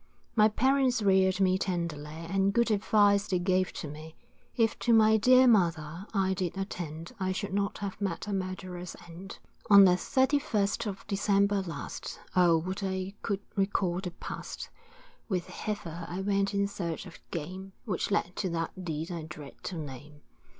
My parents reared me tenderly, And good advice they gave to me; If to my dear mother I did attend, I should not have met a murderer's end. On the 31st of December last, Oh would I could recall the past, With Heffer I went in search of game, Which led to that deed I dread to name.